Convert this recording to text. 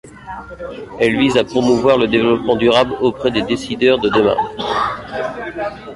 Elle vise à promouvoir le développement durable auprès des décideurs de demain.